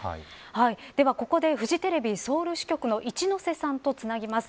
では、ここでフジテレビソウル支局の一ノ瀬さんとつなぎます。